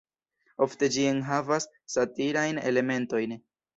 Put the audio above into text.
Ofte ĝi enhavas satirajn elementojn.